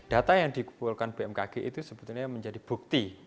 data yang dikumpulkan bmkg itu sebetulnya menjadi bukti